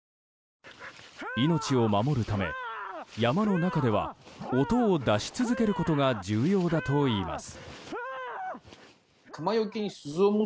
命を守るため、山の中では音を出し続けることが重要だといいます。